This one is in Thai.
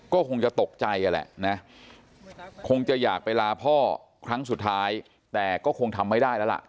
ก็คงจะตกใจแหละนะคงจะอยากไปลาพ่อครั้งสุดท้ายแต่ก็คงทำไม่ได้แล้วล่ะ